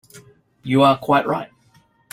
You are quite right.